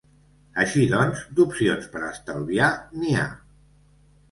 Així doncs, d’opcions per a estalviar n’hi ha.